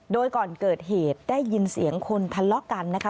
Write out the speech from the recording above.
โดยก่อนเกิดเหตุได้ยินเสียงคนทะเลาะกันนะคะ